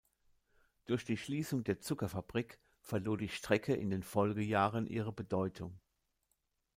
Durch die Schließung der Zuckerfabrik verlor die Strecke in den Folgejahren ihre Bedeutung.